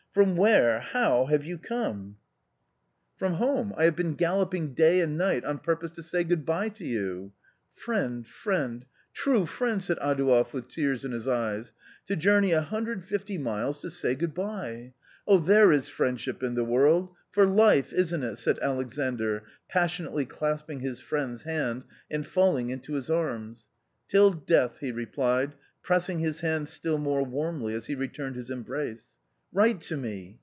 "From where — how — have you come?" U" 22 A COMMON STORY " From home. I have been galloping day and night) on purpose to say good bye to you/' " Friend, friend ! true friend !" said Adouev with tears in his eyes. "To journey 150 miles to say good bye ! Oh, there is friendship in the world ! For life, isn't it ?" said Alexandr, passionately clasping his friend's hand and fall ing into his arms. "Till death," he replied, pressing his hand still more warmly as he returned his embrace. " Write to me